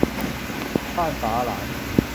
บ้านป๋าหลาน